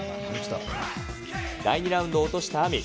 第２ラウンドを落としたＡＭＩ。